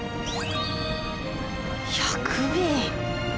１００便！？